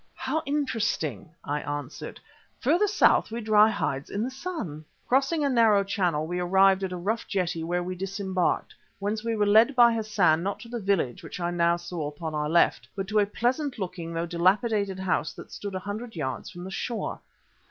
"How interesting!" I answered. "Further south we dry hides in the sun." Crossing a narrow channel we arrived at a rough jetty where we disembarked, whence we were led by Hassan not to the village which I now saw upon our left, but to a pleasant looking, though dilapidated house that stood a hundred yards from the shore.